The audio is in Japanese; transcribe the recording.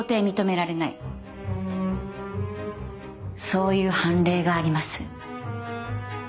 そういう判例があります。